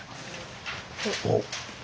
おっ。